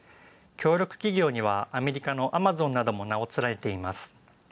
協力企業にはアメリカのアマゾンなども名を連ねています。